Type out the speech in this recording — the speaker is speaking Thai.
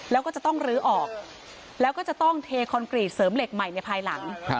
แล้วก็จะต้องลื้อออกแล้วก็จะต้องเทคอนกรีตเสริมเหล็กใหม่ในภายหลัง